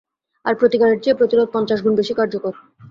আর প্রতিকারের চেয়ে প্রতিরোধ পঞ্চাশ গুন বেশী কার্যকরী।